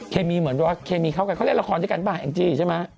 เคมีเหมือนว่าเคมีเข้ากันเขาเล่นละครด้วยกันป่ะแองจี้ใช่ไหม